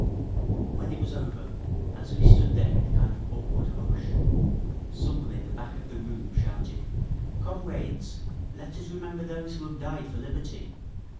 And when it was over, as we stood there in a kind of awkward hush, some one in the back of the room shouted, "Comrades! Let us remember those who have died for liberty!"